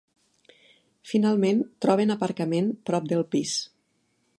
Finalment troben aparcament prop del pis.